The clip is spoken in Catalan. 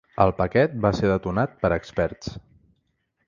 El paquet va ser detonat per experts.